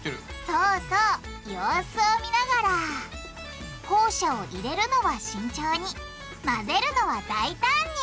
そうそう様子を見ながらホウ砂を入れるのは慎重に混ぜるのは大胆に！